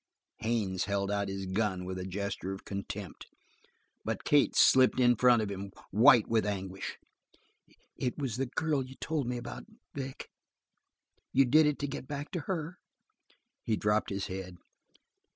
Haines held out his gun with a gesture of contempt. But Kate slipped in front of him, white and anguish. "It was the girl you told me about, Vic?" she said. "You did it to get back to her?" He dropped his head.